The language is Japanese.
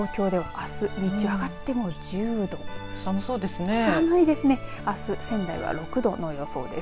あす仙台は、６度の予想です。